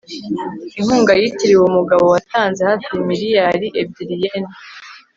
inkunga yitiriwe umugabo watanze hafi miliyari ebyiri yen